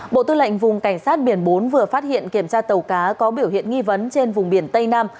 bộ tư lệnh vùng cảnh sát biển bốn vừa phát hiện kiểm tra tàu cá có biểu hiện nghi vấn trên vùng biển tây nam